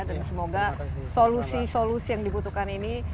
dan semoga solusi solusi yang dibutuhkan ini